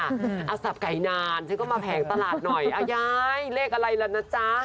เอาสับไก่นานฉันก็มาแผงตลาดหน่อยยายเลขอะไรล่ะนะจ๊ะ